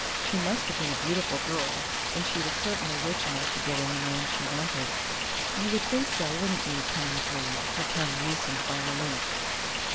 "She must have been a beautiful girl, and she was certainly rich enough to get any man she wanted " "You would think so, wouldn't you?" Penny agreed, her tongue loosened by relief.